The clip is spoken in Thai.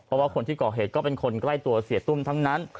เพราะว่าคนที่ก่อเหตุก็เป็นคนใกล้ตัวเสียตุ้มทั้งนั้น